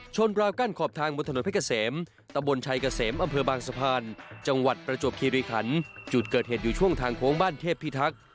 จังหวัดประจวบคีริขันจุดเกิดเหตุอยู่ช่วงทางโค้งบ้านเทพภิทักษ์